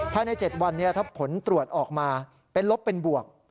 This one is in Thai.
ภายใน๗วันถ้าผลตรวจออกมาเป็นลบเป็นบวก